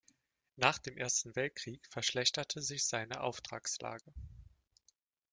Nach dem Ersten Weltkrieg verschlechterte sich seine Auftragslage.